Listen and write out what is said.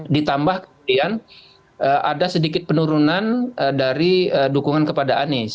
ditambah kemudian ada sedikit penurunan dari dukungan kepada anies